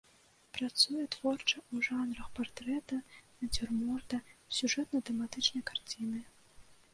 Працуе творча ў жанрах партрэта, нацюрморта, сюжэтна-тэматычнай карціны.